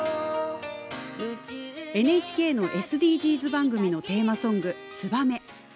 ＮＨＫのＳＤＧｓ番組のテーマソング「ツバメ」。